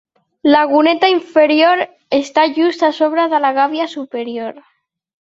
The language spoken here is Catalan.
La goneta inferior està just a sobre de la gàbia superior.